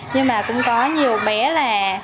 nhưng mà cũng có nhiều bé là